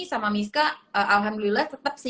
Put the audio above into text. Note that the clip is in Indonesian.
sama misca alhamdulillah tetep sih